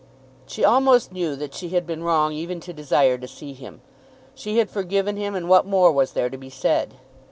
She almost knew that she had been wrong even to desire to see him. She had forgiven him, and what more was there to be said?